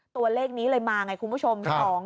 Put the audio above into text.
ตัวเลขนี้เลยมาไงคุณผู้ชม